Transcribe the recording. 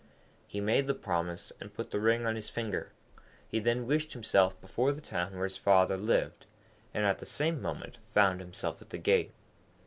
He made the promise, and put the ring on his finger; he then wished himself before the town where his father lived, and at the same moment found himself at the gate.